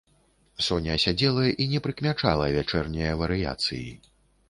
Соня сядзела і не прыкмячала вячэрняе варыяцыі.